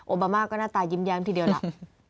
บามาก็หน้าตายิ้มทีเดียวล่ะ